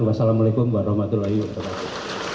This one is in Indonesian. wassalamualaikum warahmatullahi wabarakatuh